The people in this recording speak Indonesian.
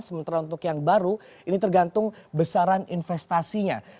sementara untuk yang baru ini tergantung besaran investasinya